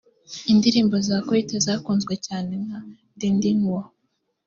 Indirimbo za Koité zakunzwe cyane nka Din din wo